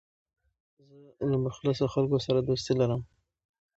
زه له مخلصو خلکو سره دوستي لرم.